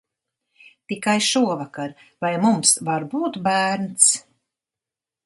Tikai šovakar, vai mums var būt bērns?